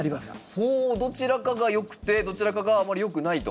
ほおどちらかが良くてどちらかがあまり良くないと。